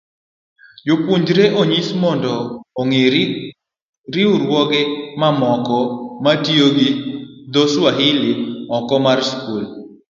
jopuonjre onyis mondo ong'e riwruoge mamoko matiyo gi dho Swahili oko mar skul.